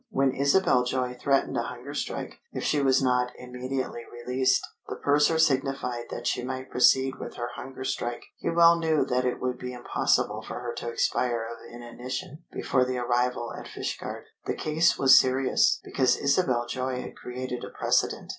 When Isabel Joy threatened a hunger strike if she was not immediately released, the purser signified that she might proceed with her hunger strike; he well knew that it would be impossible for her to expire of inanition before the arrival at Fishguard. The case was serious, because Isabel Joy had created a precedent.